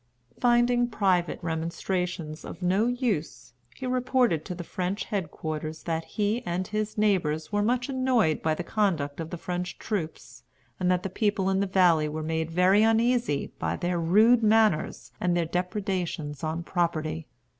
Finding private remonstrances of no use, he reported to the French head quarters that he and his neighbors were much annoyed by the conduct of the French troops, and that the people in the valley were made very uneasy by their rude manners and their depredations on property.